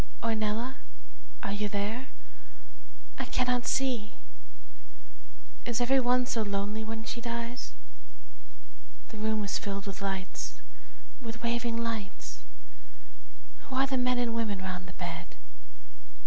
Ornella, are you there? I cannot see Is every one so lonely when he dies?,p> The room is filled with lights with waving lights Who are the men and women 'round the bed?